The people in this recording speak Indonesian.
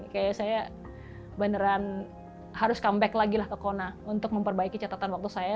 kayak saya beneran harus comeback lagi lah ke kona untuk memperbaiki catatan waktu saya